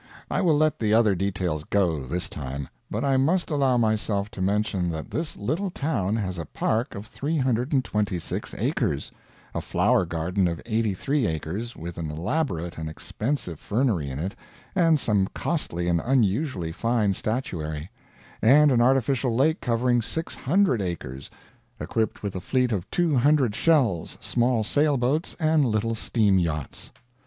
I will let the other details go, this time, but I must allow myself to mention that this little town has a park of 326 acres; a flower garden of 83 acres, with an elaborate and expensive fernery in it and some costly and unusually fine statuary; and an artificial lake covering 600 acres, equipped with a fleet of 200 shells, small sail boats, and little steam yachts.